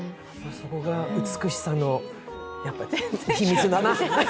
そこが美しさの秘けつだな。